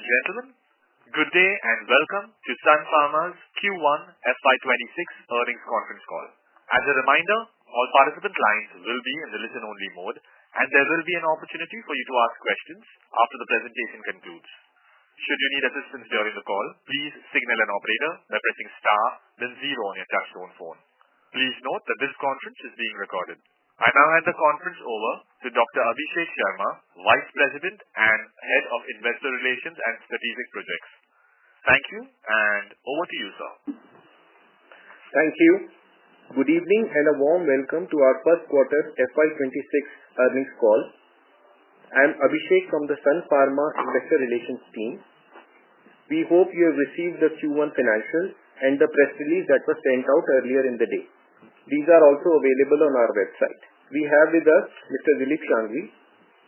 Ladies and gentlemen, good day and welcome to Sun Pharma's Q1 FY 2026 Earnings Conference Call. As a reminder, all participant lines will be in the listen-only mode, and there will be an opportunity for you to ask questions after the presentation concludes. Should you need assistance during the call, please signal an operator by pressing star, then zero on your touch-tone phone. Please note that this conference is being recorded. I now hand the conference over to Dr. Abhishek Sharma, Vice President and Head of Investor Relations and Strategic Projects. Thank you, and over to you, sir. Thank you. Good evening and a warm welcome to our first quarter FY 2026 earnings call. I'm Abhishek from the Sun Pharma investor relations team. We hope you have received the Q1 financials and the press release that was sent out earlier in the day. These are also available on our website. We have with us Mr. Dilip Shanghvi,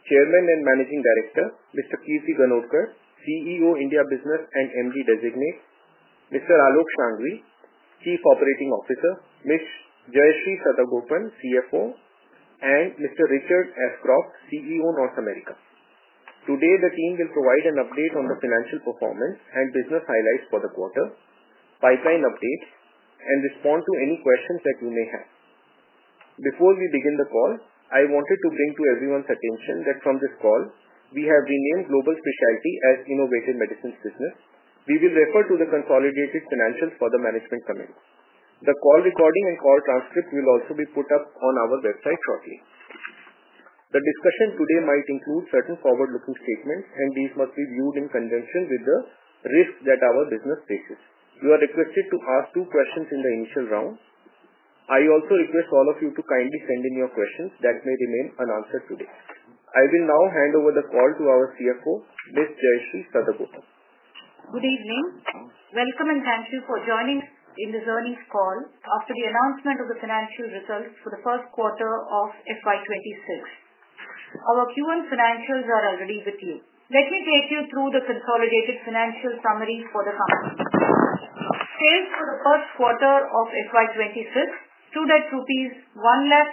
Chairman and Managing Director, Mr. Kirti Ganorkar, CEO India Business and MD Designate, Mr. Aalok Shanghvi, Chief Operating Officer, Ms. Jayashree Satagopan, Chief Financial Officer, and Mr. Richard Ascroft, CEO North America. Today, the team will provide an update on the financial performance and business highlights for the quarter, pipeline updates, and respond to any questions that you may have. Before we begin the call, I wanted to bring to everyone's attention that from this call, we have renamed Global Specialty as Innovative Medicines business. We will refer to the consolidated financials for the management committee. The call recording and call transcript will also be put up on our website shortly. The discussion today might include certain forward-looking statements, and these must be viewed in conjunction with the risks that our business faces. You are requested to ask two questions in the initial round. I also request all of you to kindly send in your questions that may remain unanswered today. I will now hand over the call to our CFO, Ms. Jayashree Satagopan. Good evening. Welcome and thank you for joining in this earnings call after the announcement of the financial results for the first quarter of FY 2026. Our Q1 financials are already with you. Let me take you through the consolidated financial summary for the company. Sales for the first quarter of FY 2026 stood at 137,861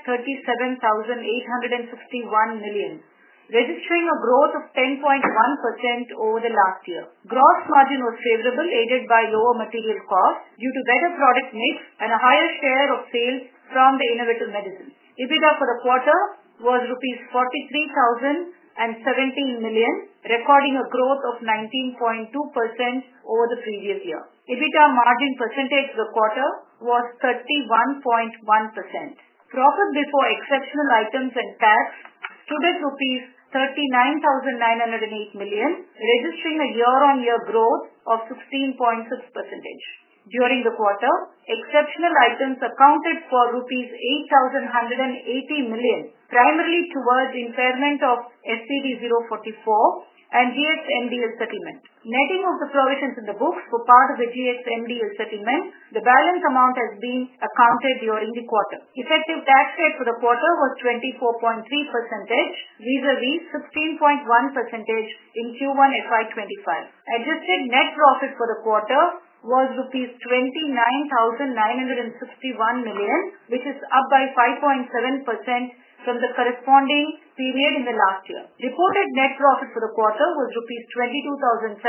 million, registering a growth of 10.1% over the last year. Gross margin was favorable, aided by lower material costs due to better product mix and a higher share of sales from the innovative medicines. EBITDA for the quarter was rupees 43,017 million, recording a growth of 19.2% over the previous year. EBITDA margin percentage for the quarter was 31.1%. Profit before exceptional items and tax stood at rupees 39,908 million, registering a year on year growth of 16.6%. During the quarter, exceptional items accounted for rupees 8,180 million, primarily towards impairment of SCD-044 and GxMDL settlement. Netting of the provisions in the books for part of the GxMDL settlement, the balance amount has been accounted during the quarter. Effective tax rate for the quarter was 24.3%, vis-à-vis 16.1% in Q1 FY 2025. Adjusted net profit for the quarter was rupees 29,961 million, which is up by 5.7% from the corresponding period in the last year. Reported net profit for the quarter was INR 22,786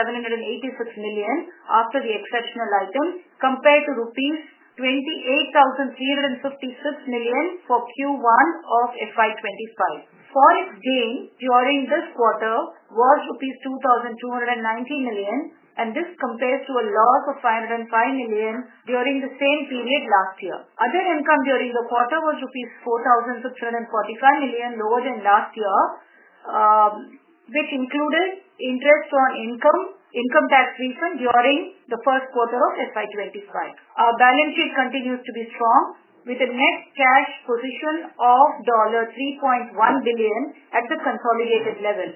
million after the exceptional items, compared to INR 28,356 million for Q1 of FY 2025. Forex gain during this quarter was rupees 2,290 million, and this compares to a loss of 505 million during the same period last year. Other income during the quarter was rupees 4,645 million, lower than last year, which included interest on income tax refund during the first quarter of FY 2025. Our balance sheet continues to be strong, with a net cash position of $3.1 billion at the consolidated level,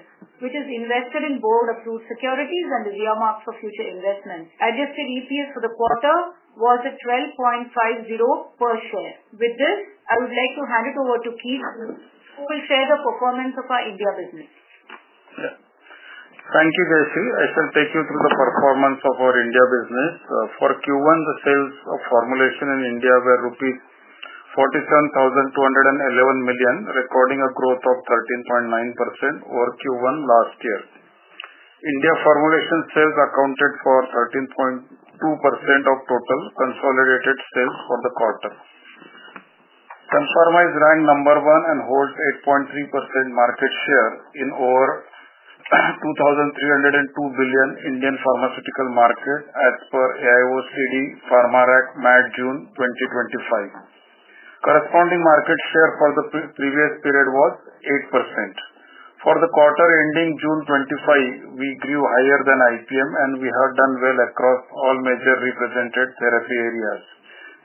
which is invested in both approved securities and the remarks for future investments. Adjusted EPS for the quarter was at $12.50 per share. With this, I would like to hand it over to Kirti, who will share the performance of our India business. Thank you, Jayashree. I shall take you through the performance of our India business. For Q1, the sales of formulation in India were rupees 47,211 million, recording a growth of 13.9% over Q1 last year. India formulation sales accounted for 13.2% of total consolidated sales for the quarter. Sun Pharma is ranked number one and holds 8.3% market share in over 2,302 billion Indian pharmaceutical market as per AIOCD Pharmarack MAT June 2025. Corresponding market share for the previous period was 8%. For the quarter ending June 2025, we grew higher than IPM, and we have done well across all major represented therapy areas.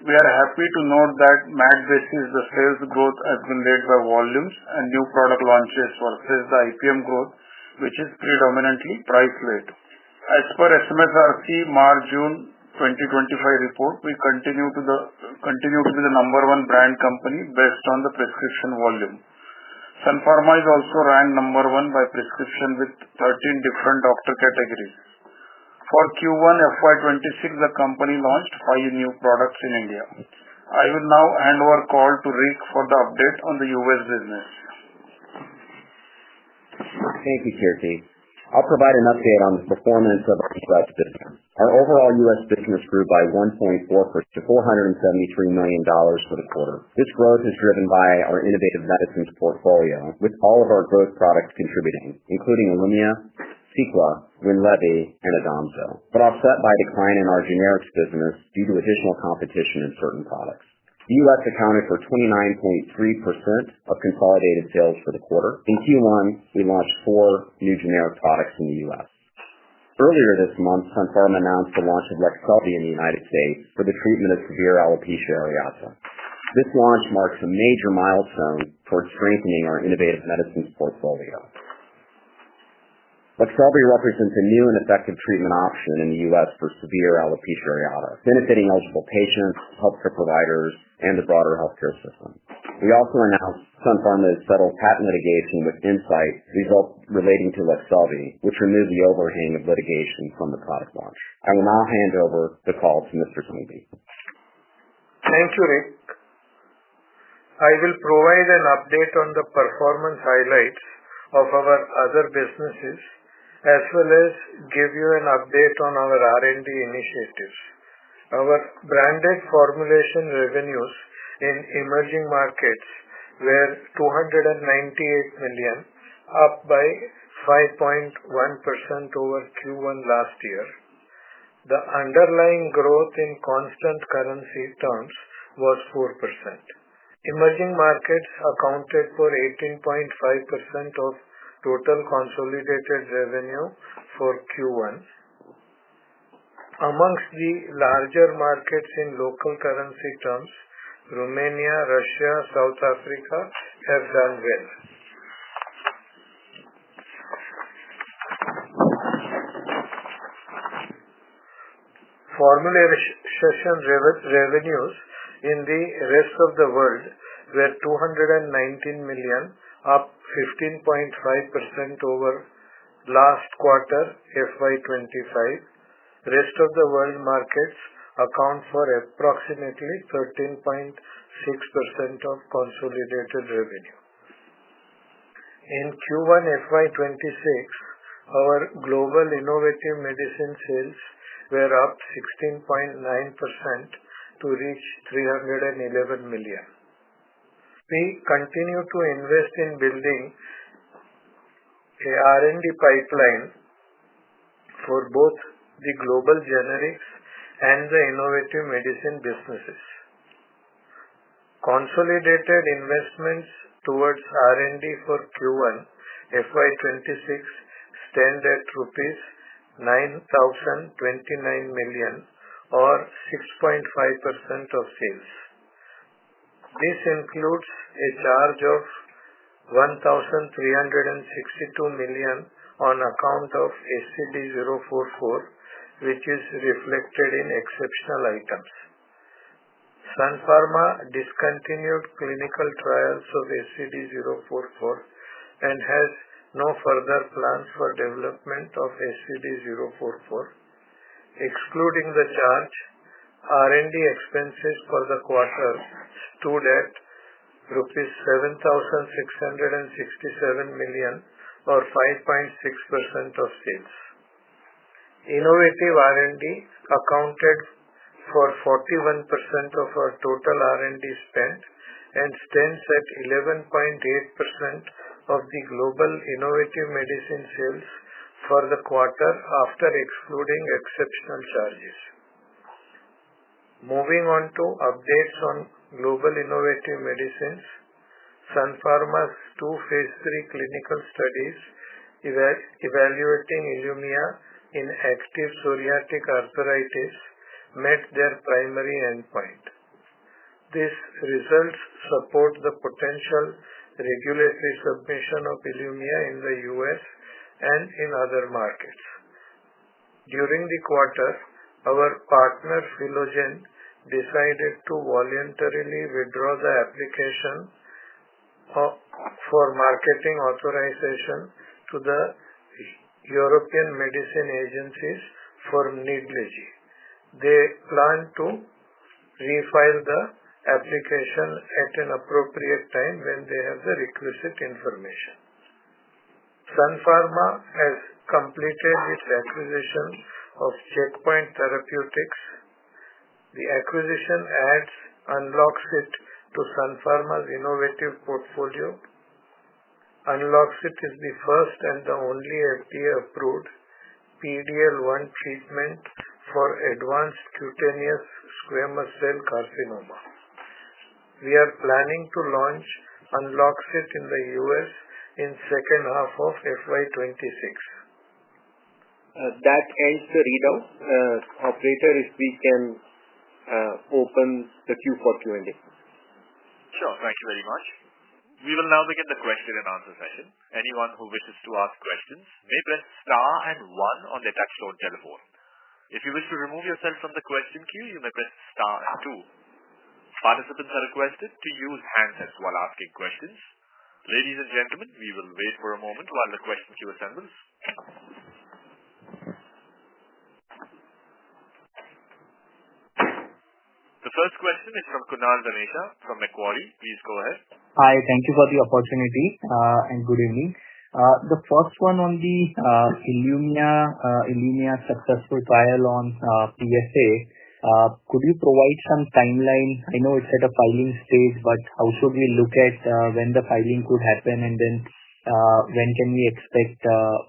We are happy to note that, at a MAT basis, the sales growth has been led by volumes and new product launches versus the IPM growth, which is predominantly price-led. As per SMSRC Mar-June 2025 report, we continue to be the number one brand company based on the prescription volume. Sun Pharma is also ranked number one by prescription with 13 different doctor categories. For Q1 FY 2026, the company launched five new products in India. I will now hand over call to Rick for the update on the U.S. business. Thank you, Kirti. I'll provide an update on the performance of our U.S. business. Our overall U.S. business grew by 1.4% to $473 million for the quarter. This growth is driven by our innovative medicines portfolio, with all of our growth products contributing, including ILUMYA, Cequa, WINLEVI, and ODOMZO, but offset by a decline in our generics business due to additional competition in certain products. The U.S. accounted for 29.3% of consolidated sales for the quarter. In Q1, we launched four new generic products in the U.S. Earlier this month, Sun Pharma announced the launch of LEQSELVI in the United States for the treatment of severe alopecia areata. This launch marks a major milestone towards strengthening our innovative medicines portfolio. LEQSELVI represents a new and effective treatment option in the U.S. for severe alopecia areata, benefiting eligible patients, healthcare providers, and the broader healthcare system. We also announced Sun Pharma's has settled patent litigation with Incyte, result relating to LEQSELVI, which removed the overhang of litigation from the product launch. I will now hand over the call to Mr. Shanghvi. Thank you, Rick. I will provide an update on the performance highlights of our other businesses, as well as give you an update on our R&D initiatives. Our branded formulation revenues in emerging markets were 298 million, up by 5.1% over Q1 last year. The underlying growth in constant currency terms was 4%. Emerging markets accounted for 18.5% of total consolidated revenue for Q1. Amongst the larger markets in local currency terms, Romania, Russia, and South Africa have done well. Formulation revenues in the rest of the world were 219 million, up 15.5% over last quarter FY 2025. Rest of the world markets account for approximately 13.6% of consolidated revenue. In Q1 FY 2026, our global Innovative Medicine sales were up 16.9% to reach 311 million. We continue to invest in building an R&D pipeline for both the global generics and the Innovative Medicines businesses. Consolidated investments towards R&D for Q1 FY 2026 stand at 9,029 million rupees, or 6.5% of sales. This includes a charge of 1,362 million on account of SCD-044, which is reflected in exceptional items. Sun Pharma discontinued clinical trials of SCD-044 and has no further plans for development of SCD-044. Excluding the charge, R&D expenses for the quarter stood at 7,667 million rupees, or 5.6% of sales. Innovative R&D accounted for 41% of our total R&D spend and stands at 11.8% of the global Innovative Medicine sales for the quarter after excluding exceptional charges. Moving on to updates on global Innovative Medicines, Sun Pharma's two phase III clinical studies evaluating ILUMYA in active psoriatic arthritis met their primary endpoint. These results support the potential regulatory submission of ILUMYA in the U.S. and in other markets. During the quarter, our partner Philogen decided to voluntarily withdraw the application for marketing authorization to the European Medicines Agency for Nidlegy. They plan to refile the application at an appropriate time when they have the requisite information. Sun Pharma has completed its acquisition of Checkpoint Therapeutics. The acquisition adds UNLOXCYT to Sun Pharma's innovative portfolio. UNLOXCYT is the first and the only FDA-approved PD-L1 treatment for advanced cutaneous squamous cell carcinoma. We are planning to launch UNLOXCYT in the U.S. in the second half of FY 2026. That ends the readout. Operator, if we can, open the queue for Q&A. Sure. Thank you very much. We will now begin the question-and-answer session. Anyone who wishes to ask questions may press star and one on their touchstone telephone. If you wish to remove yourself from the question queue, you may press star two. Participants are requested to use handsets while asking questions. Ladies and gentlemen, we will wait for a moment while the question queue assembles. The first question is from Kunal Dhamesha from Macquarie. Please go ahead. Hi. Thank you for the opportunity and good evening. The first one on the ILUMYA successful trial on PSA, could you provide some timeline? I know it's at a filing stage, but how should we look at when the filing could happen and then when can we expect.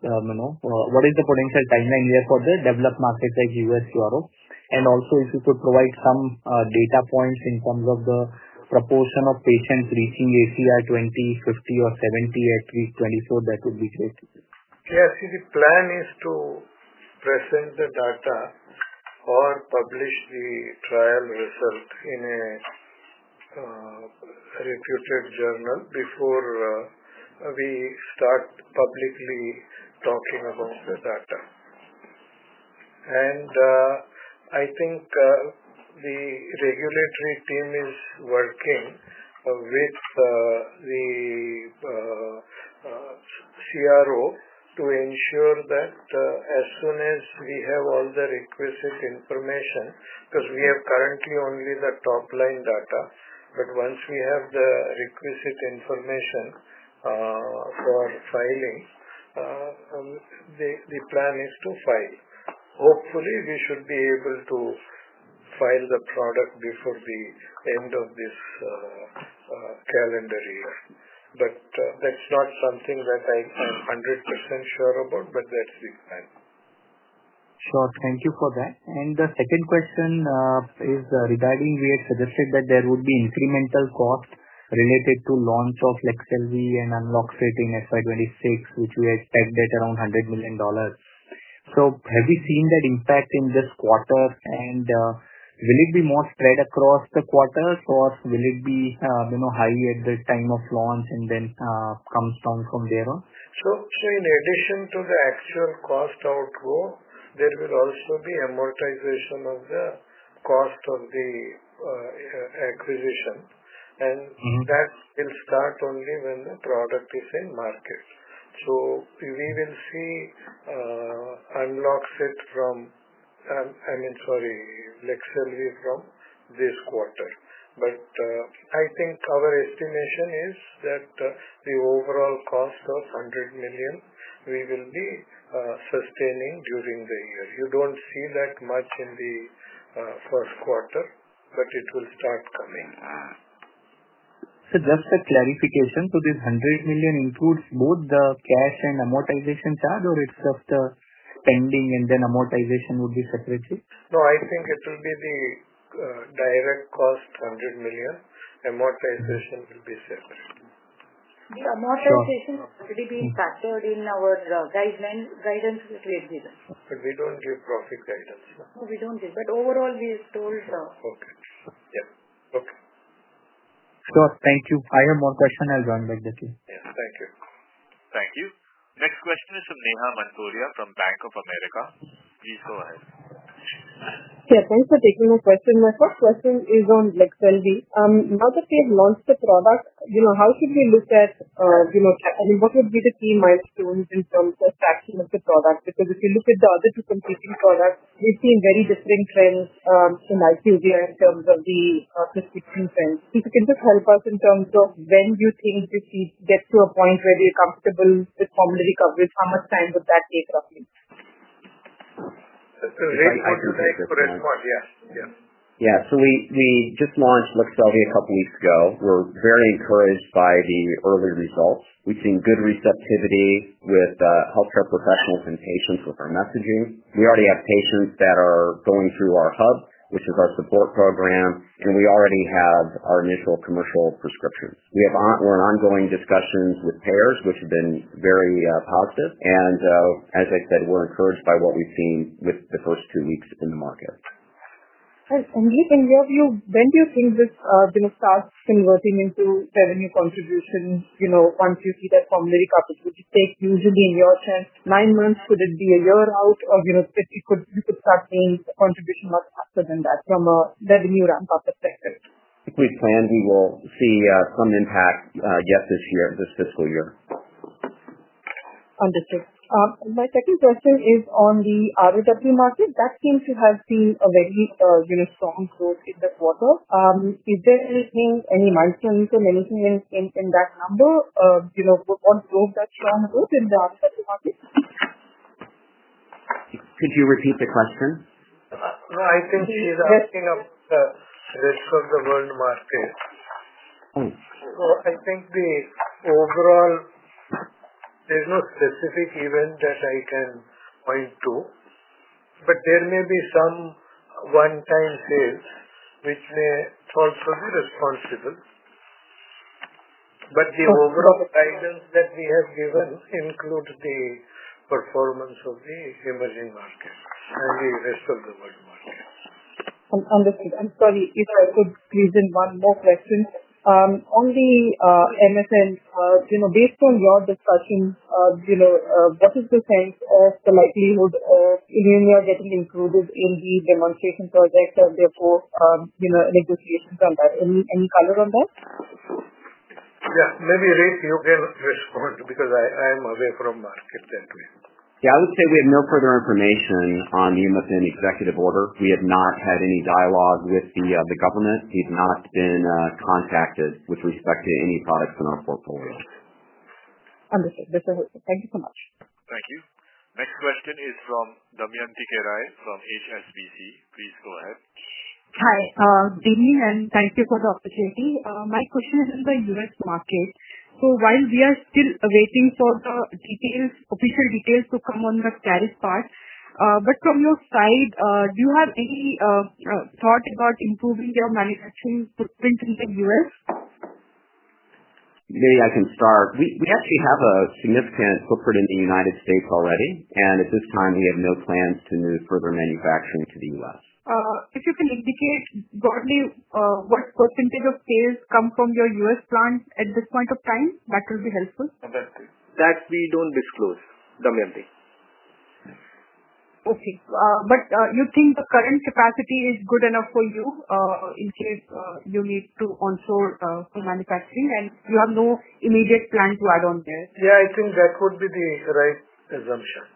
What is the potential timeline here for the developed markets like U.S., Europe? Also, if you could provide some data points in terms of the proportion of patients reaching ACR20, 50, or 70 at week 24, that would be great. The plan is to present the data or publish the trial result in a reputed journal before we start publicly talking about the data. I think the regulatory team is working with the CRO to ensure that as soon as we have all the requisite information, because we have currently only the top-line data, but once we have the requisite information for filing, the plan is to file. Hopefully, we should be able to file the product before the end of this calendar year. That's not something that I'm 100% sure about, but that's the plan. Sure. Thank you for that. The second question is regarding we had suggested that there would be incremental cost related to launch of LEQSELVI and UNLOXCYT in FY 2026, which we had spec'd at around $100 million. Have we seen that impact in this quarter? Will it be more spread across the quarters, or will it be high at the time of launch and then come down from there on? Sure. In addition to the actual cost outgo, there will also be amortization of the cost of the acquisition, and that will start only when the product is in market. We will see LEQSELVI from this quarter. I think our estimation is that the overall cost of $100 million we will be sustaining during the year. You don't see that much in the first quarter, but it will start coming. Just a clarification. This $100 million includes both the cash and amortization charge, or it's just the spending and then amortization would be separate? No, I think it will be the direct cost, $100 million. Amortization will be separate. The amortization will be factored in our guidance we created. We don't give profit guidance. No, we don't give, but overall, we have told. Okay. Yeah, okay. Sure. Thank you. I have more questions. I'll join back the queue. Yes. Thank you. Thank you. Next question is from Neha Manpuria from Bank of America. Please go ahead. Yeah. Thanks for taking my question. My first question is on LEQSELVI. Now that we have launched the product, how should we look at, I mean, what would be the key milestones in terms of traction of the product? Because if you look at the other two competing products, we've seen very different trends in IQVIA in terms of the prescription trends. If you can just help us in terms of when you think we should get to a point where we are comfortable with formulary coverage, how much time would that take roughly? That's a very good question. Thank you for the response. Yeah. We just launched LEQSELVI a couple of weeks ago. We're very encouraged by the early results. We've seen good receptivity with healthcare professionals and patients with our messaging. We already have patients that are going through our hub, which is our support program, and we already have our initial commercial prescriptions. We're in ongoing discussions with payers, which have been very positive. As I said, we're encouraged by what we've seen with the first two weeks in the market. In your view, when do you think this starts converting into revenue contributions once you see that formulary coverage? Would it take, usually in your terms, nine months? Could it be a year out, or could you start seeing contribution much faster than that from a revenue ramp-up perspective? If we plan, we will see some impact yet this year, this fiscal year. Understood. My second question is on the ROW market. That seems to have seen a very strong growth in the quarter. Is there anything, any milestones, anything in that number? What drove that strong growth in the ROW market? Could you repeat the question? No, I think she's asking about the rest of the world market. I think the overall, there's no specific event that I can point to. There may be some one-time sales which may also be responsible. The overall guidance that we have given includes the performance of the emerging market and the rest of the world market. Understood. I'm sorry. If I could please ask one more question. On the MSN, based on your discussion, what is the sense of the likelihood of ILUMYA getting included in the demonstration project and therefore negotiations on that? Any color on that? Yeah, maybe Rick, you can respond because I am away from the market that way. Yeah. I would say we have no further information on the MSN executive order. We have not had any dialogue with the government. We've not been contacted with respect to any products in our portfolio. Understood. Thank you so much. Thank you. Next question is from Damyanti Kerai from HSBC. Please go ahead. Hi. Good evening and thank you for the opportunity. My question is on the U.S. market. While we are still waiting for the official details to come on the tariff part, from your side, do you have any thought about improving your manufacturing footprint in the U.S.? Maybe I can start. We actually have a significant footprint in the U.S. already, and at this time, we have no plans to move further manufacturing to the U.S. If you can indicate, broadly, what percentage of sales come from your U.S. plant at this point of time, that will be helpful. That we don't disclose, Damyanti. Okay. You think the current capacity is good enough for you in case you need to onshore for manufacturing, and you have no immediate plan to add on there? Yeah, I think that would be the right assumption.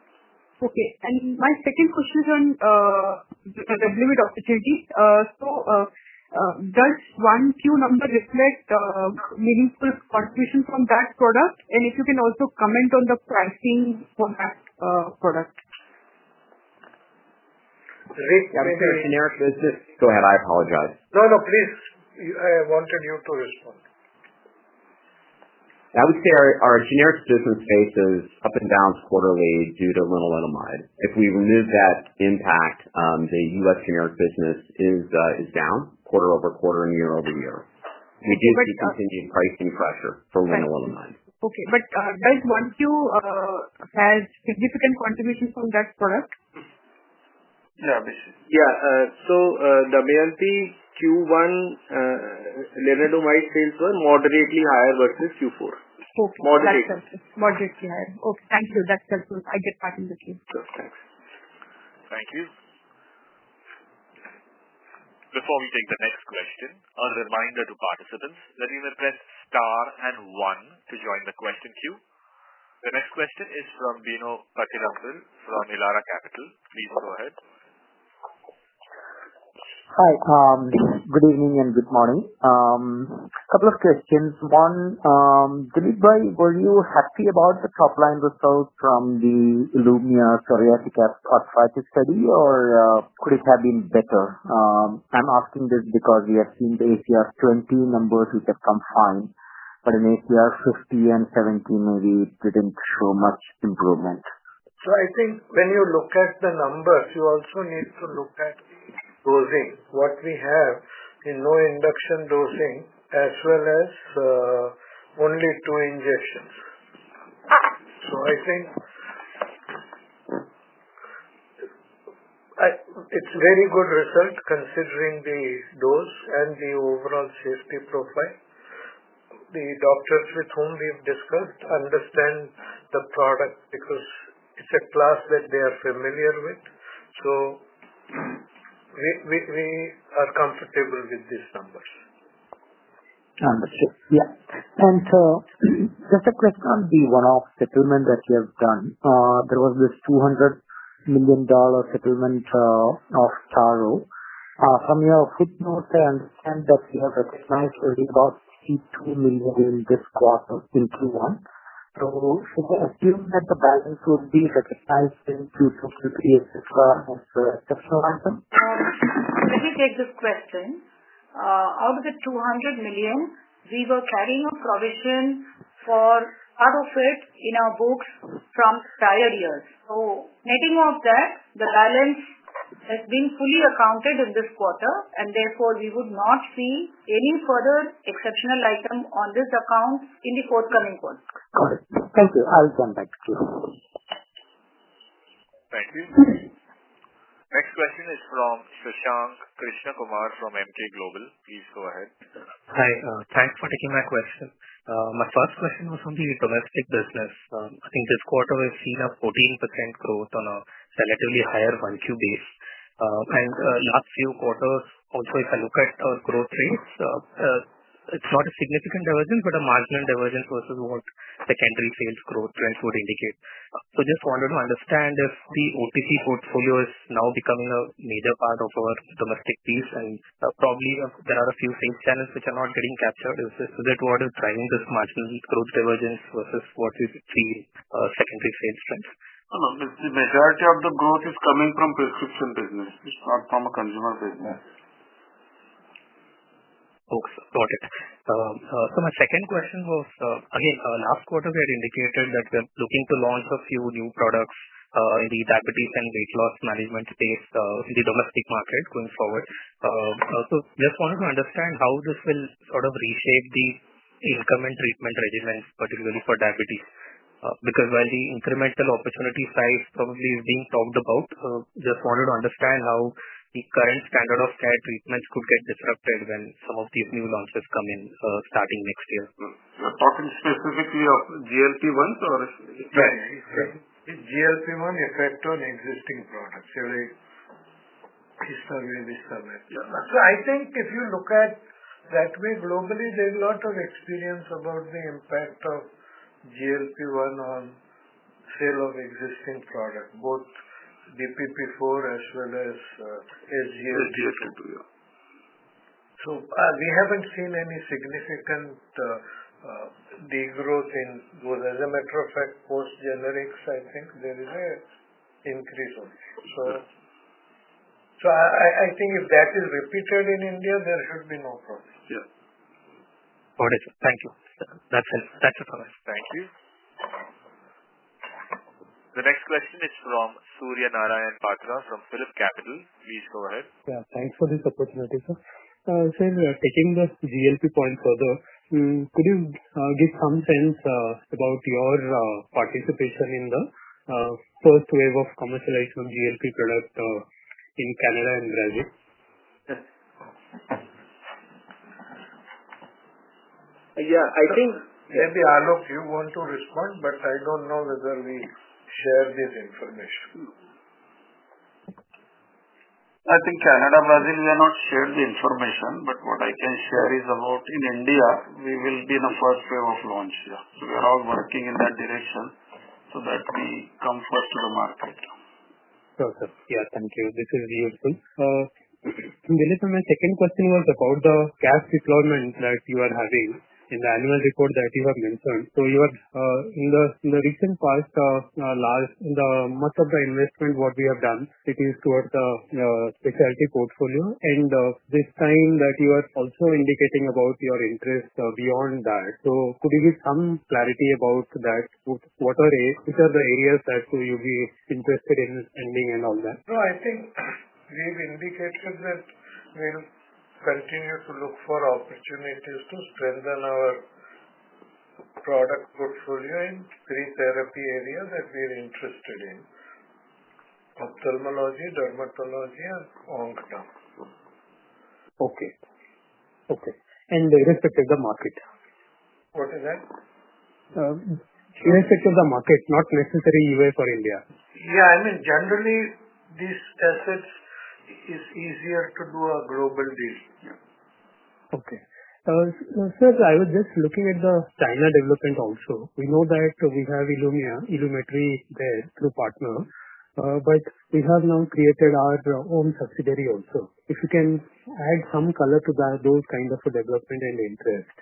Okay. My second question is on the limited opportunity. Does one quarter number reflect meaningful contribution from that product? If you can also comment on the pricing for that product. Rick, I'm sorry. I would say our generic business. Go ahead. I apologize. No, no. Please, I wanted you to respond. I would say our generic business faces ups and downs quarterly due to lenalidomide. If we remove that impact, the U.S. generic business is down quarter-over-quarter and year-over-year. We did see continued pricing pressure for lenalidomide. Okay. Does 1Q have significant contribution from that product? Yeah. Yeah. Damyanti, Q1 lenalidomide sales were moderately higher versus Q4. Moderate. Okay, that's helpful. Moderately higher. Okay, thank you. That's helpful. I get back in the queue. Sure. Thank you. Before we take the next question, a reminder to participants that you may press star and one to join the question queue. The next question is from Bino Pathiparampil from Elara Capital. Please go ahead. Hi. Good evening and good morning. A couple of questions. One, Dilip Bhai, were you happy about the top-line results from the ILUMYA psoriatic arthritis study, or could it have been better? I'm asking this because we have seen the ACR20 numbers, which have come fine, but in ACR50 and 70, maybe it didn't show much improvement. I think when you look at the numbers, you also need to look at the dosing. What we have is no induction dosing as well as only two injections. I think it's a very good result considering the dose and the overall safety profile. The doctors with whom we've discussed understand the product because it's a class that they are familiar with. We are comfortable with these numbers. Understood. Just a question on the one-off settlement that you have done. There was this $200 million settlement of Taro. From your footnotes, I understand that you have recognized only about $60 million in this quarter in Q1. Should we assume that the balance would be recognized in Q2, Q3, and Q4 as a separate item? Let me take this question. Out of the $200 million, we were carrying a provision for part of it in our books from prior years. Netting off that, the balance has been fully accounted in this quarter, and therefore, we would not see any further exceptional item on this account in the forthcoming quarter. Got it. Thank you. I'll jump back to queue. Thank you. Next question is from Shashank Krishnakumar from Emkay Global. Please go ahead. Hi. Thanks for taking my question. My first question was on the domestic business. I think this quarter, we've seen a 14% growth on a relatively higher 1Q base. In the last few quarters, also, if I look at our growth rates, it's not a significant divergence, but a marginal divergence versus what secondary sales growth trends would indicate. I just wanted to understand if the OTC portfolio is now becoming a major part of our domestic piece, and probably there are a few sales channels which are not getting captured. Is it what is driving this marginal growth divergence versus what we've seen, secondary sales trends? No, no. The majority of the growth is coming from prescription business. It's not from a consumer business. Okay. Got it. My second question was, last quarter, we had indicated that we are looking to launch a few new products in the diabetes and weight loss management space in the domestic market going forward. I just wanted to understand how this will sort of reshape the increment treatment regimens, particularly for diabetes. While the incremental opportunity size probably is being talked about, I just wanted to understand how the current standard of care treatments could get disrupted when some of these new launches come in starting next year. You're talking specifically of GLP-1s, or? Yeah. GLP-1 effect on existing products. It's not going to be submitted. I think if you look at it that way, globally, there's a lot of experience about the impact of GLP-1 on sale of existing products, both DPP-4 as well as SGLT2. SGLT2, yeah. We haven't seen any significant degrowth in those. As a matter of fact, post-generics, I think there is an increase on it. I think if that is repeated in India, there should be no problem. Yeah. Got it. Thank you. That's it for me. Thank you. The next question is from Surya Narayan Patra from PhillipCapital. Please go ahead. Thank you for this opportunity, sir. In taking the GLP point further, could you give some sense about your participation in the first wave of commercialization of GLP-1 products in Canada and Brazil? Yeah, I think maybe Aalok, you want to respond, but I don't know whether we share this information. I think Canada and Brazil, we have not shared the information, but what I can share is about in India, we will be in the first wave of launch. We are all working in that direction so that we come first to the market. Sure, sir. Thank you. This is useful. Dilip, my second question was about the CAS deployment that you are having in the annual report that you have mentioned. In the recent past, much of the investment, what we have done, it is towards the specialty portfolio. This time you are also indicating about your interest beyond that. Could you give some clarity about that? What are the areas that you'll be interested in spending and all that? No, I think we've indicated that we'll continue to look for opportunities to strengthen our product portfolio in three therapy areas that we're interested in, ophthalmology, dermatology, and oncology. Okay. Okay. Irrespective of the market? What is that? Irrespective of the market, not necessarily U.S. or India? Yeah, I mean, generally, these assets, it's easier to do a global deal. Okay. Sir, I was just looking at the China development also. We know that we have ILUMYA, ILUMETRI there through partner, but we have now created our own subsidiary also. If you can add some color to those kinds of development and interest.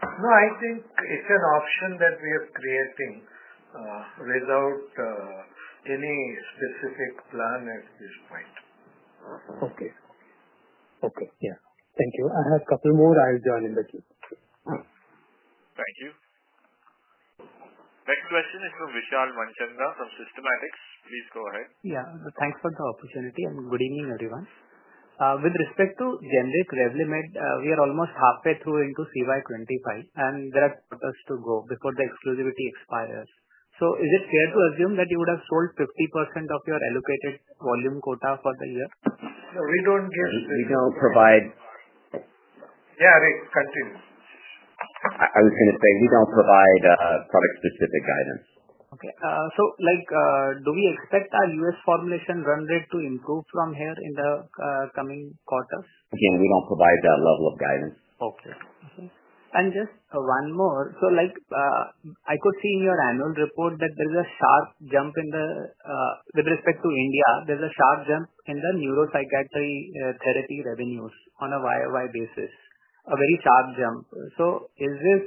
No, I think it's an option that we are creating without any specific plan at this point. Okay. Thank you. I have a couple more. I'll join in the queue. Thank you. Next question is from Vishal Manchanda from Systematix. Please go ahead. Thank you for the opportunity. Good evening, everyone. With respect to generic REVLIMID, we are almost halfway through into CY 2025, and there are quarters to go before the exclusivity expires. Is it fair to assume that you would have sold 50% of your allocated volume quota for the year? No, we don't give. We don't provide. Yeah, Richard, continue. I was going to say we don't provide product-specific guidance. Okay. Do we expect our U.S. formulation run rate to improve from here in the coming quarters? Again, we don't provide that level of guidance. Okay. Just one more. I could see in your annual report that there is a sharp jump in the, with respect to India, there's a sharp jump in the neuropsychiatry therapy revenues on a YoY basis. A very sharp jump. Is this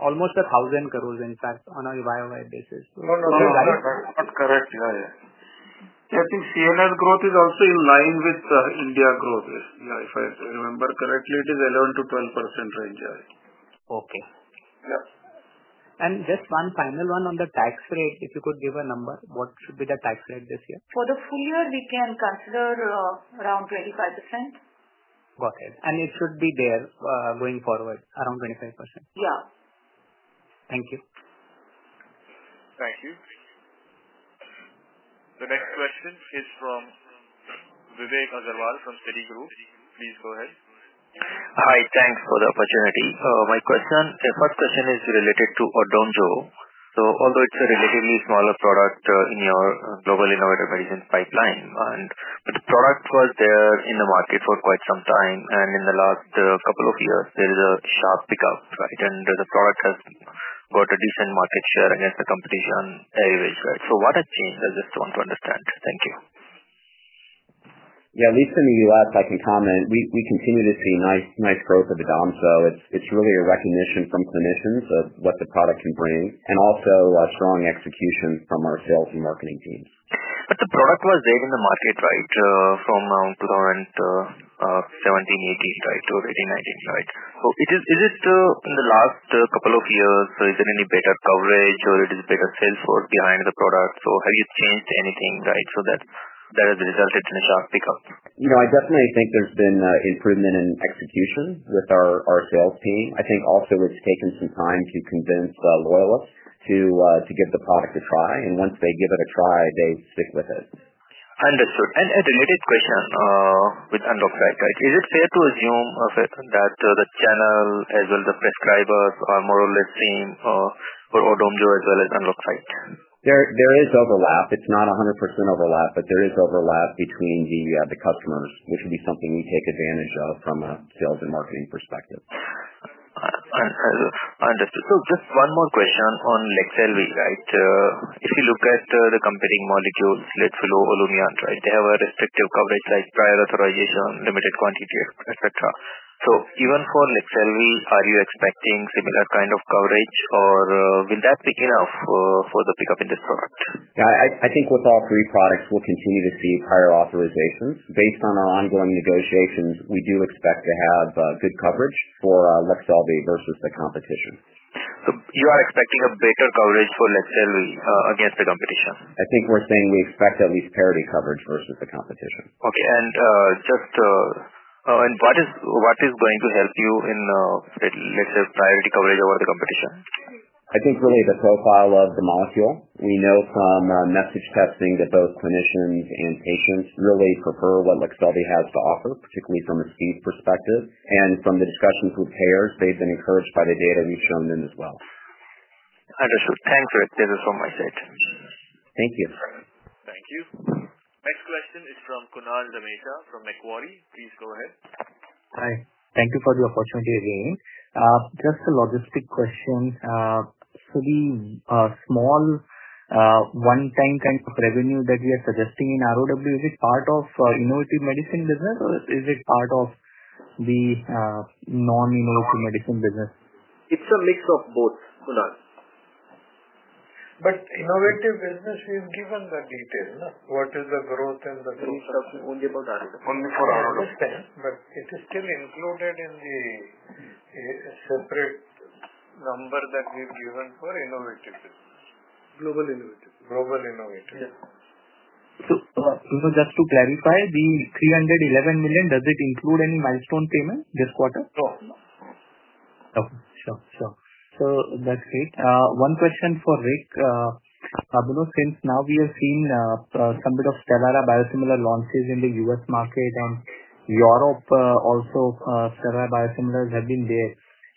almost 1,000 crores, in fact, on a YoY basis? No, you're not correct. I think CNS growth is also in line with India growth. If I remember correctly, it is in the 11%-12% range. Okay. Just one final one on the tax rate. If you could give a number, what should be the tax rate this year? For the full year, we can consider around 25%. Got it. It should be there going forward, around 25%? Yeah. Thank you. Thank you. The next question is from Vivek Agrawal from Citigroup. Please go ahead. Hi. Thanks for the opportunity. My first question is related to ODOMZO. Although it's a relatively smaller product in your global Innovative Medicines pipeline, the product was there in the market for quite some time. In the last couple of years, there is a sharp pickup, right? The product has got a decent market share against the competition average, right? What has changed? I just want to understand. Thank you. Yeah. At least in the U.S., I can comment, we continue to see nice growth of ODOMZO. It's really a recognition from clinicians of what the product can bring and also a strong execution from our sales and marketing teams. The product was there in the market, right, from around 2017, 2018, right, or 2018, 2019, right? In the last couple of years, is there any better coverage, or is it better sales force behind the product? Have you changed anything, right, that has resulted in a sharp pickup? I definitely think there's been improvement in execution with our sales team. I think also it's taken some time to convince loyalists to give the product a try. Once they give it a try, they stick with it. Understood. A related question with UNLOXCYT, right? Is it fair to assume that the channel as well as the prescribers are more or less the same for ODOMZO as well as UNLOXCYT? There is overlap. It's not 100% overlap, but there is overlap between the customers, which would be something we take advantage of from a sales and marketing perspective. Understood. Just one more question on LEQSELVI, right? If you look at the competing molecules, let's say Olumiant, right, they have a restrictive coverage like prior authorization, limited quantity, etc. Even for LEQSELVI, are you expecting similar kind of coverage, or will that be enough for the pickup in this product? Yeah. I think with all three products, we'll continue to see prior authorizations. Based on our ongoing negotiations, we do expect to have good coverage for LEQSELVI versus the competition. Are you expecting a better coverage for LEQSELVI against the competition? I think we're saying we expect at least parity coverage versus the competition. What is going to help you in, let's say, priority coverage over the competition? I think really the profile of the molecule. We know from message testing that both clinicians and patients really prefer what LEQSELVI has to offer, particularly from a speed perspective. From the discussions with payers, they've been encouraged by the data we've shown them as well. Understood. Thanks, Richard. This is from my side. Thank you. Thank you. Next question is from Kunal Dhamesha from Macquarie. Please go ahead. Hi. Thank you for the opportunity again. Just a logistic question. The small one-time kind of revenue that we are suggesting in ROW, is it part of Innovative Medicines business, or is it part of the non-innovative medicines business? It's a mix of both, Kunal. Innovative Medicines business, we've given the details. What is the growth and the. Only about ROW. Only for ROW. Understand, it is still included in the separate number that we've given for innovative business. Global innovative. Global innovative. Just to clarify, the 311 million, does it include any milestone payment this quarter? No. Okay. Sure. That's it. One question for Rick. Since now we have seen some bit of STELARA biosimilar launches in the U.S. market and Europe also, STELARA biosimilars have been there.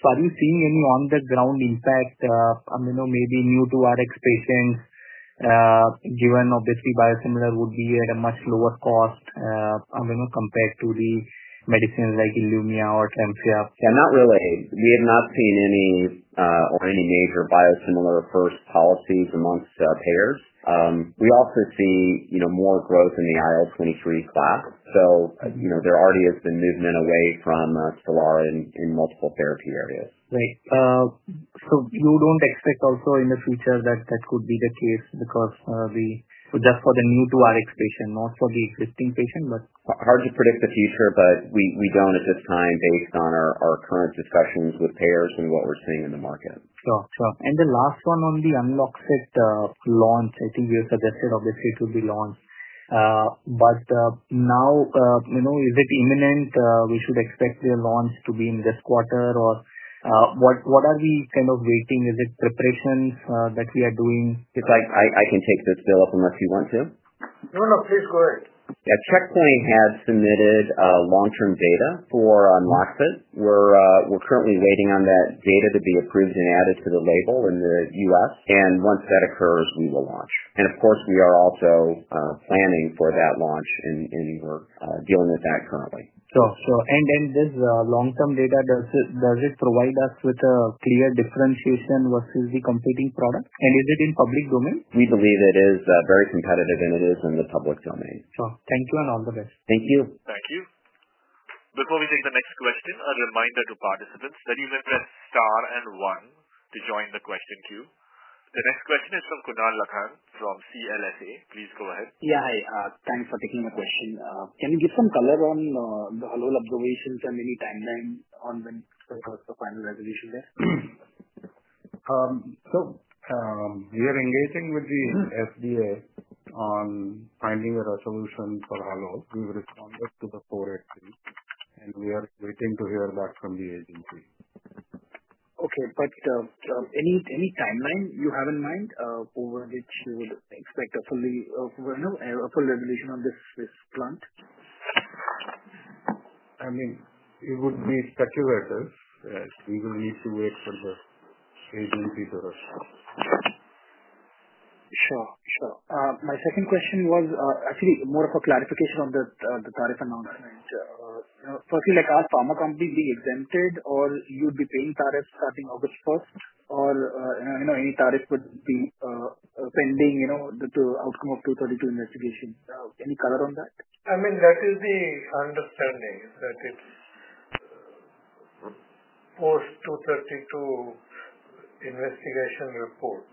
Are you seeing any on-the-ground impact, maybe new-to-Rx patients? Given obviously biosimilar would be at a much lower cost compared to the medicines like ILUMYA or TREMFYA? Yeah. Not really. We have not seen any or any major biosimilar-first policies amongst payers. We also see more growth in the IL-23 class. There already has been movement away from STELARA in multiple therapy areas. Right. You don't expect also in the future that that could be the case, just for the new-to-Rx patient, not for the existing patient? Hard to predict the future, but we don't at this time based on our current discussions with payers and what we're seeing in the market. Sure. The last one on the UNLOXCYT launch, I think you suggested obviously it will be launched. Is it imminent? Should we expect the launch to be in this quarter, or what are we kind of waiting for? Is it preparations that we are doing? I can take this, Dilip, unless you want to? No, please go ahead. Yeah. Checkpoint has submitted long-term data for UNLOXCYT. We're currently waiting on that data to be approved and added to the label in the U.S. Once that occurs, we will launch. We are also planning for that launch and we're dealing with that currently. Sure. This long-term data, does it provide us with a clear differentiation versus the competing product? Is it in public domain? We believe it is very competitive, and it is in the public domain. Sure. Thank you and all the best. Thank you. Thank you. Before we take the next question, a reminder to participants that you can press star and one to join the question queue. The next question is from Kunal Lakhan from CLSA. Please go ahead. Yeah. Hi. Thanks for taking the question. Can you give some color on the whole observations and any timeline on when the final resolution there? We are engaging with the FDA on finding a resolution for Halol. We've responded to the 483, and we are waiting to hear back from the agency. Okay. Any timeline you have in mind over which you would expect a full resolution of this plant? I mean, it would be speculative. We will need to wait for the agency to respond. Sure. My second question was actually more of a clarification on the tariff announcement. Firstly, like our pharma company being exempted, or you'd be paying tariffs starting August 1st, or any tariff would be pending the outcome of 232 investigation. Any color on that? That is the understanding that it's post 232 investigation report.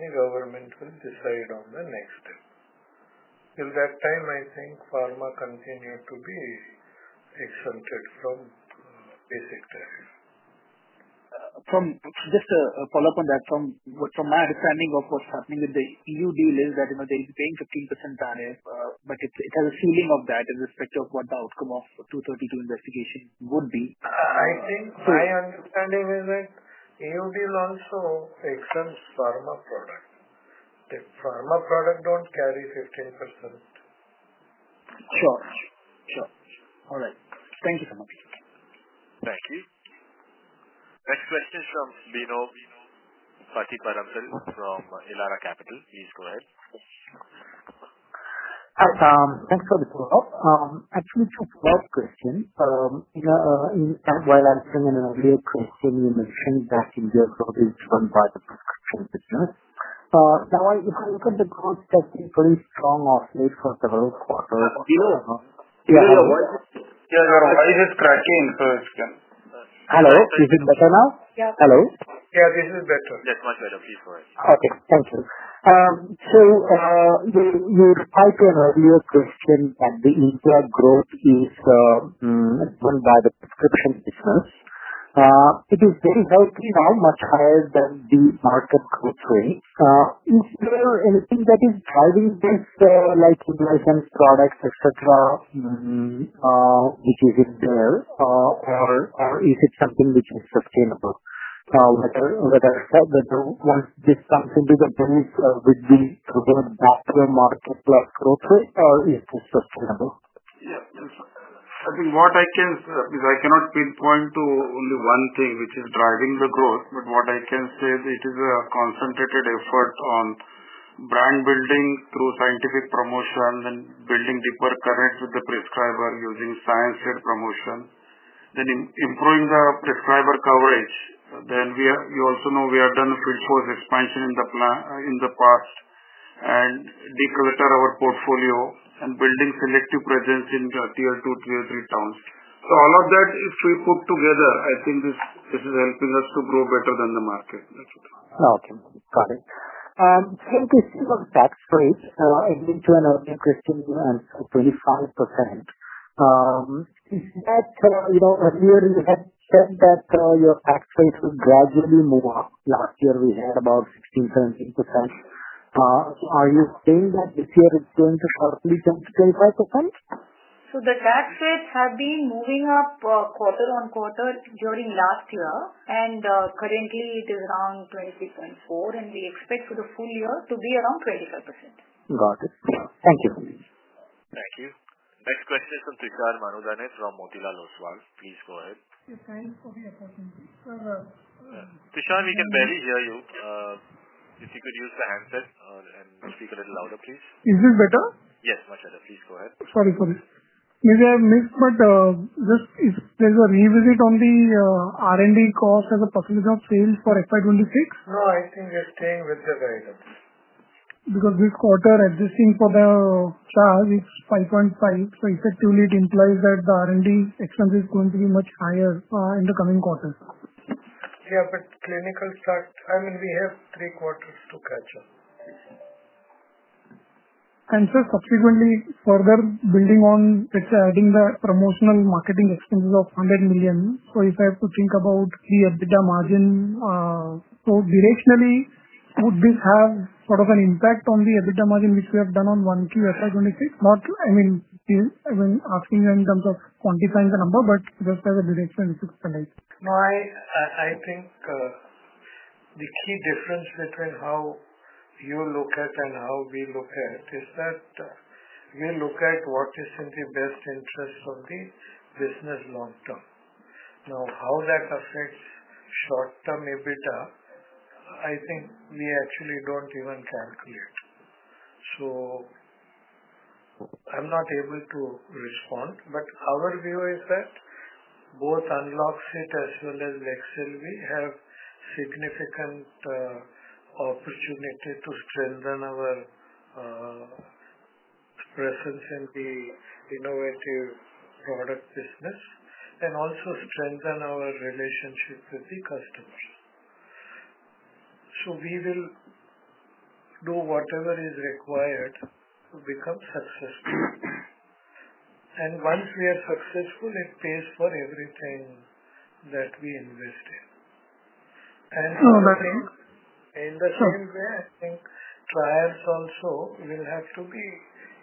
The government will decide on the next step. Til that time, I think pharma continue to be exempted from basic tariff. Just a follow-up on that. From my understanding of what's happening with the E.U. deal is that they'll be paying 15% tariff, but it has a ceiling of that in respect of what the outcome of 232 investigation would be. I think my understanding is that E.U. deal also exempts pharma product. The pharma product don't carry 15%. Sure. All right. Thank you so much. Thank you. Next question is from Bino Pathiparampil from Elara Capital. Please go ahead. Thanks for the follow-up. Actually, two follow-up questions. While answering an earlier question, you mentioned that India's growth is run by the prescription business. Now, if I look at the growth that's been pretty strong of late for several quarters. Yeah, the voice is cracking, so it's good. Hello, is it better now? Yeah. Hello? Yeah, this is better. Yes, much better. Please go ahead. Thank you. You replied to an earlier question that the India growth is run by the prescription business. It is very healthy now, much higher than the market growth rate. Is there anything that is driving this, like invoicing products, etc., which isn't there, or is it something which is sustainable? Once this comes into the base, would we go back to a market-plus growth rate, or is this sustainable? Yeah. I think what I can, because I cannot pinpoint to only one thing which is driving the growth, what I can say is it is a concentrated effort on brand building through scientific promotion and building deeper connects with the prescriber using science-led promotion, then improving the prescriber coverage. You also know we have done a full-force expansion in the past, and decluttered our portfolio and built selective presence in tier two, tier three towns. All of that, if we put together, I think this is helping us to grow better than the market. Okay. Got it. This tax rate, I think to an earlier question, 25%. As you said that your tax rate will gradually move up. Last year, we had about 16%, 17%. Are you saying that this year it's going to sharply jump to 25%? The tax rates have been moving up quarter on quarter during last year, and currently, it is around 23.4%, and we expect for the full year to be around 25%. Got it. Thank you. Thank you. Next question is from Tushar Manudhane from Motilal Oswal. Please go ahead. Tushar, we can barely hear you. If you could use the handset and speak a little louder, please. Is this better? Yes, much better. Please go ahead. Maybe I'm mixed, but just if there's a revisit on the R&D cost as a percentage of sales for FY 2026? No, I think we're staying with the guidance. Because this quarter, existing for the charge is $5.5 million. It implies that the R&D expense is going to be much higher in the coming quarters. Yeah, clinical start, I mean, we have three quarters to catch up. Sir, subsequently, further building on, let's say, adding the promotional marketing expenses of $100 million. If I have to think about the EBITDA margin, directionally, would this have sort of an impact on the EBITDA margin which we have done on 1Q FY 2026? I mean, asking you in terms of quantifying the number, but just as a direction, if you could explain. No, I think the key difference between how you look at it and how we look at it is that we look at what is in the best interest of the business long term. Now, how that affects short-term EBITDA, I think we actually don't even calculate. I'm not able to respond, but our view is that both UNLOXCYT as well as LEQSELVI have significant opportunity to strengthen our presence in the innovative product business and also strengthen our relationship with the customers. We will do whatever is required to become successful, and once we are successful, it pays for everything that we invest in. No, that's right. In the same way, I think trials also will have to be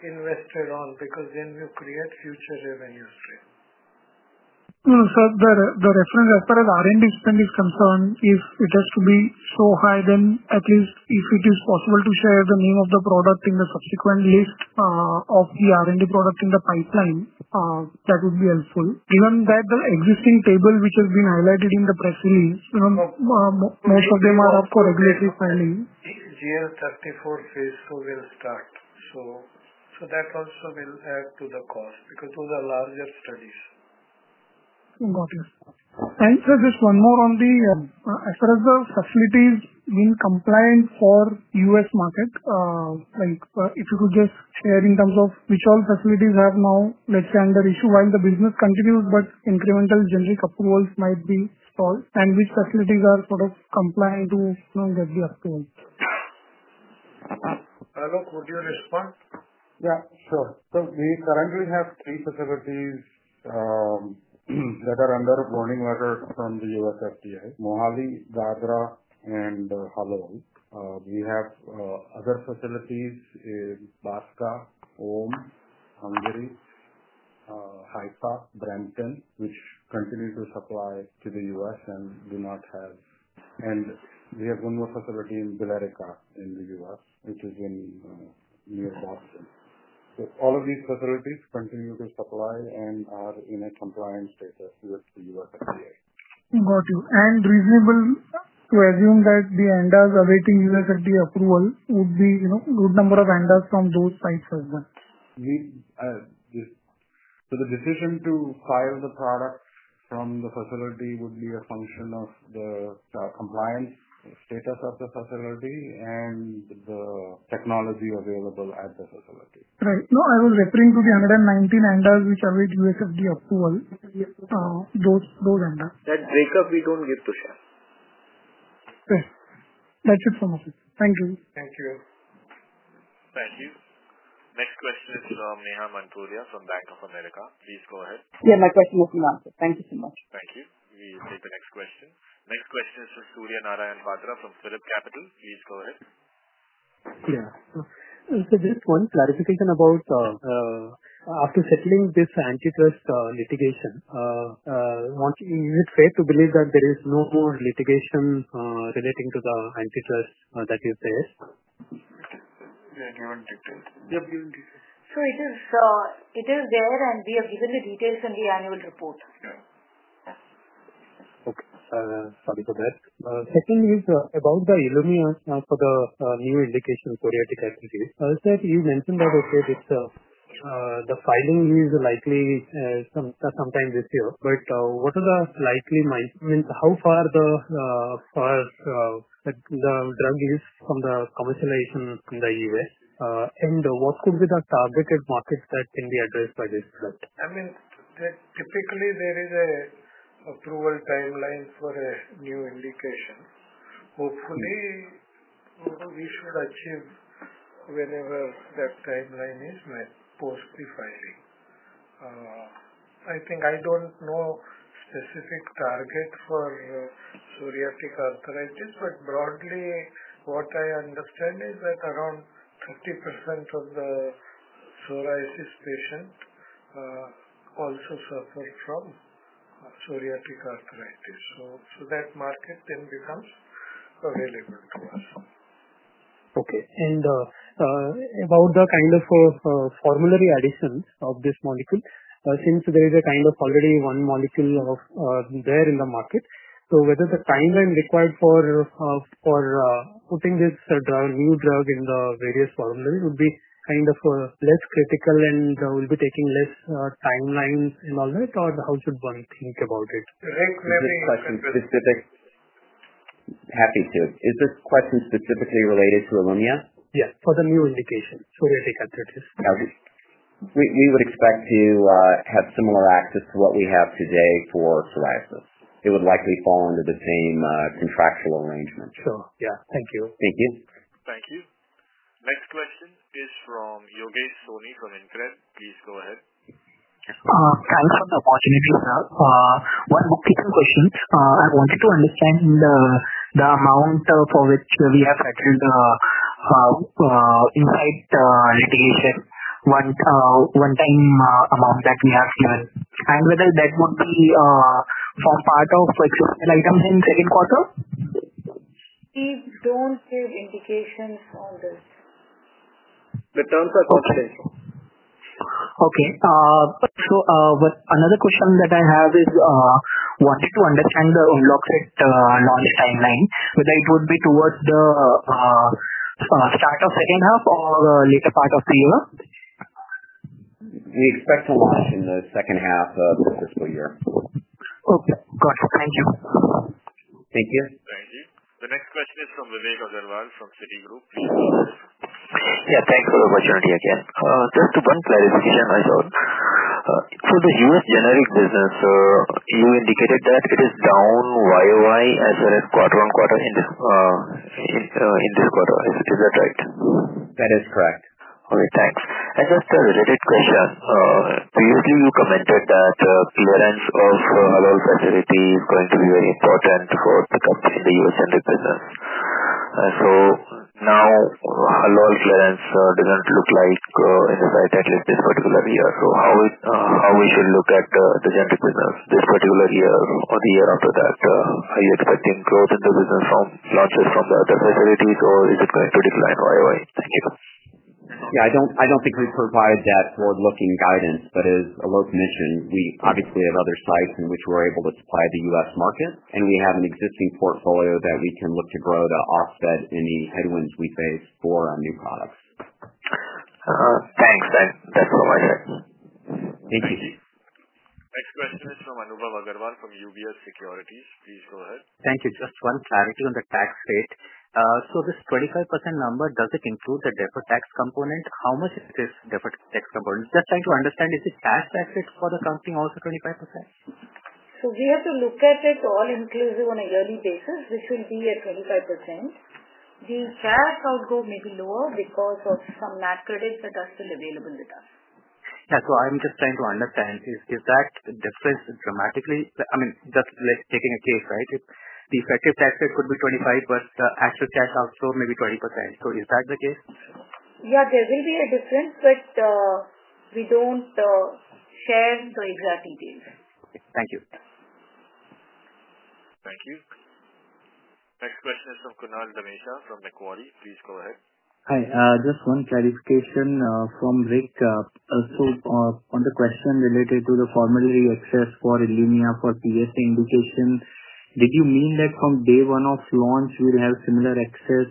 invested on, because then we'll create future revenue streams. Sir, the reference as far as R&D spend is concerned, if it has to be so high, then at least if it is possible to share the name of the product in the subsequent list of the R&D product in the pipeline, that would be helpful. Given that the existing table which has been highlighted in the press release, most of them are up for regulatory filing. GL0034 phase II will start. That also will add to the cost because those are larger studies. Got it. Sir, just one more on the, as far as the facilities being compliant for the U.S. market, if you could just share in terms of which all facilities have now, let's say, under issue while the business continues, but incremental generic approvals might be called, and which facilities are sort of compliant to get the approval. Yeah. Sure. We currently have three facilities that are under warning letters from the U.S. FDA, Mohali, Dadra, and Halol. We have other facilities in Baska, Ohm, Hungary, Haifa, Brampton, which continue to supply to the U.S. and do not have. We have one more facility in Billerica in the U.S., which is near Boston. All of these facilities continue to supply and are in a compliant status with the U.S. FDA. Got you. It is reasonable to assume that the ANDAs awaiting U.S. FDA approval would be a good number of ANDAs from those sites as well? The decision to file the product from the facility would be a function of the compliance status of the facility and the technology available at the facility. Right. No, I was referring to the 119 ANDAs which await U.S. FDA approval. Those ANDAs. That breakup we don't give, Tushar. Okay, that's it from us. Thank you. Thank you. Thank you. Next question is from Neha Manpuria from Bank of America. Please go ahead. Yeah, my question has been answered. Thank you so much. Thank you. We take the next question. Next question is from Surya Narayan Patra from PhillipCapital. Please go ahead. Yeah, just one clarification. After settling this antitrust litigation, is it fair to believe that there is no more litigation relating to the antitrust that is there? They've given details. They have given details. It is there, and we have given the details in the annual report. Okay. Sorry for that. Second is about the ILUMYA for the new indication for the anti-carcinogenics. You mentioned that the filing is likely sometime this year, but what are the likely, I mean, how far the drug is from the commercialization in the U.S.? What could be the targeted market that can be addressed by this product? Typically, there is an approval timeline for a new indication. Hopefully, we should achieve whenever that timeline is met post the filing. I think I don't know specific target for psoriatic arthritis, but broadly, what I understand is that around 30% of the psoriasis patients also suffer from psoriatic arthritis. That market then becomes available to us. Okay. About the kind of formulary additions of this molecule, since there is already one molecule there in the market, should the timeline required for putting this new drug in the various formularies be less critical and take less time, or how should one think about it? Rick, maybe specific. Happy to. Is this question specifically related to ILUMYA? Yeah, for the new indication, psoriatic arthritis. Got it. We would expect to have similar access to what we have today for psoriasis. It would likely fall under the same contractual arrangement. Sure. Thank you. Thank you. Thank you. Next question is from Yogesh Soni from InCred. Please go ahead. Thanks for the opportunity, sir. One quick question. I wanted to understand the amount for which we have settled inside the litigation, one-time amount that we have given, and whether that would be part of exceptional items in second quarter? We don't give indications on this. The terms are confidential. Okay. Another question that I have is, I wanted to understand the UNLOXCYT launch timeline, whether it would be towards the start of the second half or later part of the year? We expect to launch in the second half of the fiscal year. Okay. Got it. Thank you. Thank you. Thank you. The next question is from Vivek Agrawal from Citigroup. Please go ahead. Yeah, thanks for the opportunity again. Just one clarification, I thought. For the U.S. generic business, you indicated that it is down YoY as well as quarter on quarter in this quarter. Is that right? That is correct. Okay. Thanks. Just a related question. Previously, you commented that clearance of Halol facility is going to be very important for the U.S. generic business. Now, Halol clearance doesn't look like in sight, at least this particular year. How should we look at the generic business this particular year or the year after that? Are you expecting growth in the business from launches from the other facilities, or is it going to decline YoY? Thank you. Yeah. I don't think we provide that forward-looking guidance, but as Aalok mentioned, we obviously have other sites in which we're able to supply the U.S. market, and we have an existing portfolio that we can look to grow to offset any headwinds we face for our new products. Thanks. That's all I had. Thank you. Next question is from Anubhav Agarwal from UBS Securities. Please go ahead. Thank you. Just one clarity on the tax rate. This 25% number, does it include the deferred tax component? How much is this deferred tax component? Just trying to understand, is it cash tax rate for the company also 25%? We have to look at it all-inclusive on a yearly basis, which will be at 25%. The cash outgo may be lower because of some MAT credits that are still available with us. I'm just trying to understand, is that difference dramatically? I mean, just taking a case, right? The effective tax rate could be 25%, but the actual cash outflow may be 20%. Is that the case? Yeah, there will be a difference, but we don't share the exact details. Okay, thank you. Thank you. Next question is from Kunal Dhamesha from Macquarie. Please go ahead. Hi. Just one clarification from Rick. On the question related to the formulary access for ILUMYA for PSA indication, did you mean that from day one of launch, we'll have similar access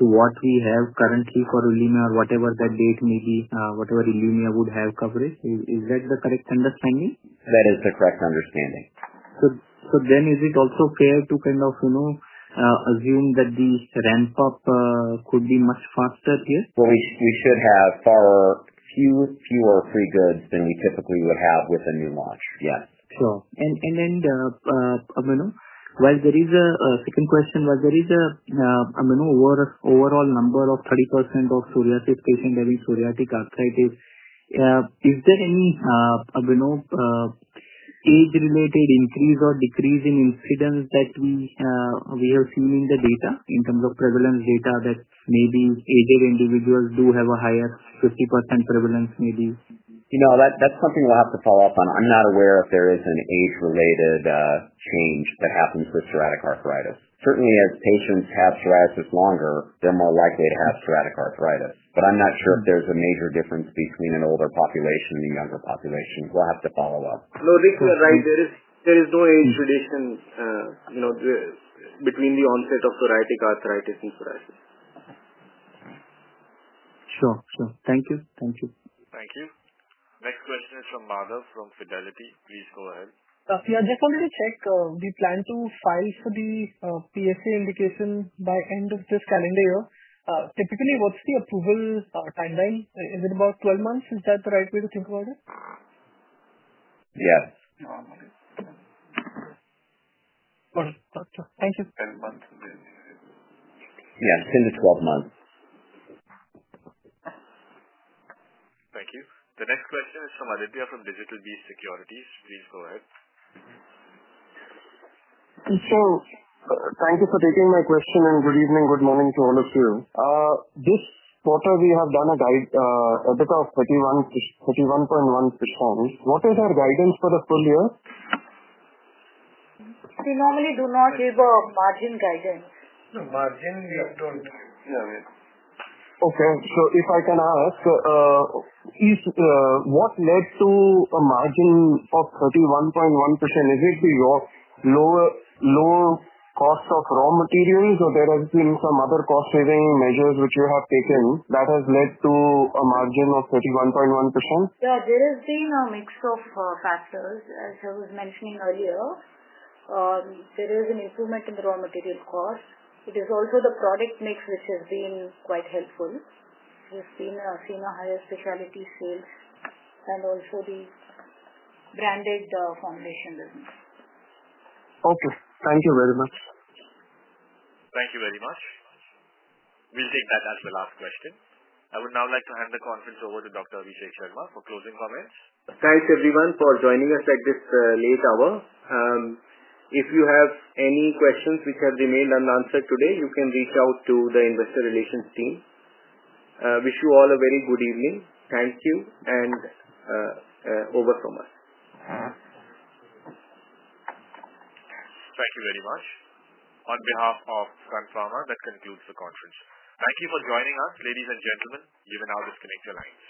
to what we have currently for ILUMYA, or whatever that date may be, whatever ILUMYA would have coverage? Is that the correct understanding? That is the correct understanding. Is it also fair to kind of assume that the ramp-up could be much faster here? We should have fewer free goods than we typically would have with a new launch. Yes. Sure. While there is a second question, while there is an overall number of 30% of psoriasis patients having psoriatic arthritis, is there any age-related increase or decrease in incidence that we have seen in the data in terms of prevalence data that maybe aged individuals do have a higher 50% prevalence maybe? You know, that's something we'll have to follow up on. I'm not aware if there is an age-related change that happens with psoriatic arthritis. Certainly, as patients have psoriasis longer, they're more likely to have psoriatic arthritis. I'm not sure if there's a major difference between an older population and a younger population. We'll have to follow up. No, Rick, you're right. There is no age tradition between the onset of psoriatic arthritis and psoriasis. Sure. Thank you. Thank you. Thank you. Next question is from Madhav from Fidelity. Please go ahead. Safiya, just wanted to check. We plan to file for the PSA indication by end of this calendar year. Typically, what's the approval timeline? Is it about 12 months? Is that the right way to think about it? Yes. Okay, thank you. 10 months. Yeah, it's in the 12 months. Thank you. The next question is from Aditya from Digital Beast Securities. Please go ahead. Thank you for taking my question and good evening, good morning to all of you. This quarter, we have done a guide at about 31.1%. What is our guidance for the full year? We normally do not give a margin guidance. No, margin, we don't. Okay. If I can ask, what led to a margin of 31.1%? Is it your lower cost of raw materials, or have there been some other cost-saving measures which you have taken that has led to a margin of 31.1%? Yeah. There has been a mix of factors, as I was mentioning earlier. There is an improvement in the raw material cost. It is also the product mix, which has been quite helpful. We've seen a higher specialty sales and also the branded formulation business. Okay, thank you very much. Thank you very much. We'll take that as the last question. I would now like to hand the conference over to Dr. Abhishek Sharma for closing comments. Thanks, everyone, for joining us at this late hour. If you have any questions which have remained unanswered today, you can reach out to the investor relations team. Wish you all a very good evening. Thank you and over from us. Thank you very much. On behalf of Sun Pharma, that concludes the conference. Thank you for joining us, ladies and gentlemen. You may now disconnect your lines.